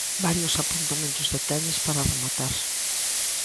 Varios apuntamentos de tenis para rematar.